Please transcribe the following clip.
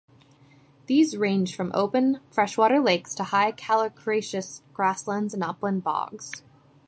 These range from open freshwater lakes to high calcareous grasslands and upland bogs.